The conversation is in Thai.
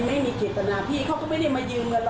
ไม่มีเจตนาพี่เขาก็ไม่ได้มายืมเงินเรา